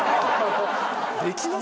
できます？